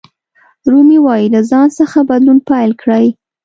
رومي وایي له ځان څخه بدلون پیل کړئ.